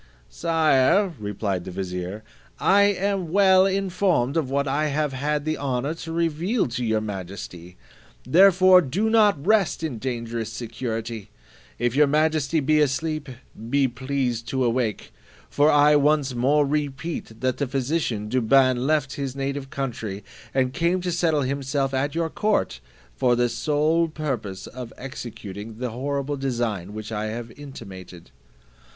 "Sire," replied the vizier, "I am well informed of what I have had the honour to reveal to your majesty; therefore do not rest in dangerous security: if your majesty be asleep, be pleased to awake; for I once more repeat, that the physician Douban left his native country, and came to settle himself at your court, for the sole purpose of executing the horrible design which I have intimated."